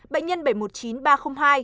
bệnh nhân bảy trăm một mươi chín ba trăm linh hai